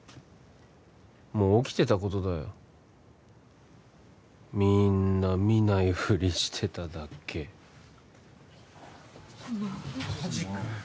もう起きてたことだよみんな見ないふりしてただけ・マジかよ